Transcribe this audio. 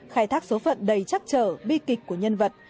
khai thác số phận đầy chắc chở bi kịch của nhân vật